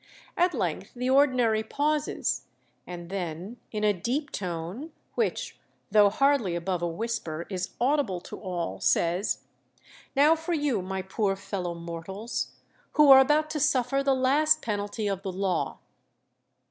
At length the ordinary pauses, and then, in a deep tone, which, though hardly above a whisper, is audible to all, says, 'Now for you, my poor fellow mortals, who are about to suffer the last penalty of the law.'